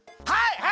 はい！